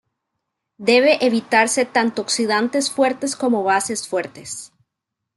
Deben evitarse tanto oxidantes fuertes como bases fuertes.